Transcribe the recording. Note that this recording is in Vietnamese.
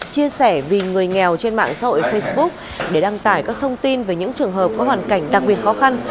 chia sẻ vì người nghèo trên mạng xã hội facebook để đăng tải các thông tin về những trường hợp có hoàn cảnh đặc biệt khó khăn